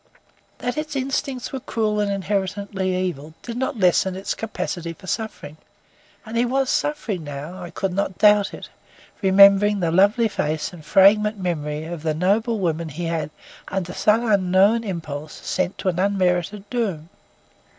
That its instincts were cruel and inherently evil, did not lessen its capacity for suffering. And he was suffering now; I could not doubt it, remembering the lovely face and fragrant memory of the noble woman he had, under some unknown impulse, sent to an unmerited doom.